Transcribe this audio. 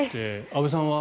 安部さんは？